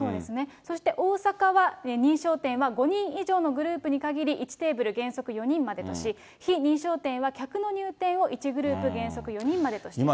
そして大阪は認証店は５人以上のグループに限り１テーブル原則４人までとし、非認証店は客の入店を１グループ原則４人までとしています。